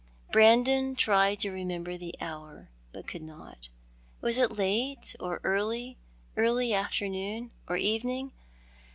Brandon tried to remember the hour, but could not. Was it late or early — early afternoon, or evening